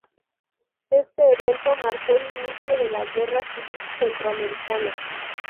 Este evento marcó el inicio de la Guerra Civil Centroamericana.